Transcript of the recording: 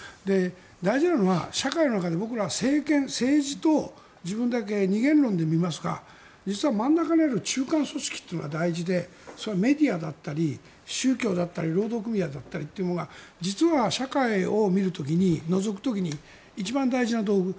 大事なのは社会の中で僕ら、政権、政治と自分だけの二元論で見ますが実は真ん中にある中間組織というのが大事でそれはメディアだったり宗教だったり労働組合だったりというものが実は社会を見る時にのぞく時に、一番大事な道具。